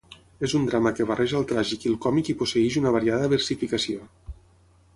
És un drama que barreja el tràgic i el còmic i posseïx una variada versificació.